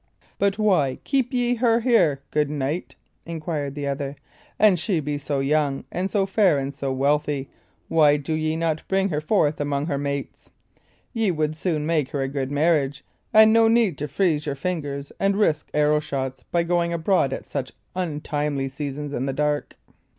"But why keep ye her here, good knight?" inquired the other. "An she be so young, and so fair, and so wealthy, why do ye not bring her forth among her mates? Ye would soon make her a good marriage, and no need to freeze your fingers and risk arrow shots by going abroad at such untimely seasons in the dark."